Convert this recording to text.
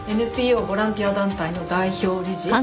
ＮＰＯボランティア団体の代表理事。